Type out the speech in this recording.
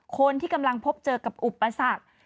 คนที่กำลังพบเจอกับอุปสรรค